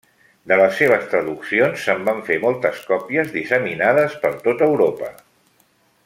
De les seves traduccions se’n van fer moltes còpies disseminades per tot Europa.